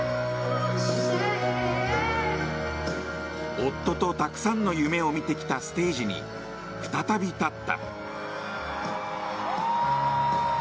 夫とたくさんの夢を見てきたステージに再び立った。